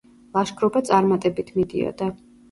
ლაშქრობა წარმატებით მიდიოდა.